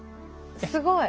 すごい。